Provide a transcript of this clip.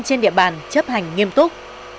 trên địa bàn chấp hành nghiêm túc